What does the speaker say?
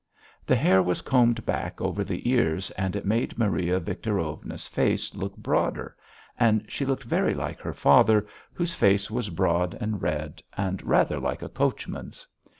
The hair was combed back over the ears, and it made Maria Victorovna's face look broader, and she looked very like her father, whose face was broad and red and rather like a coachman's.